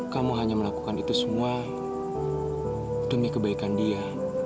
kamu hanya melakukan itu semua demi kebaikan dia